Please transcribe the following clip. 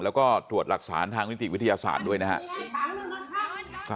แล้วก็ถวดหลักศาลทางนิติวิทยาศาสตร์ด้วยนะฮะ